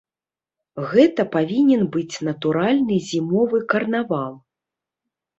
Гэта павінен быць натуральны зімовы карнавал.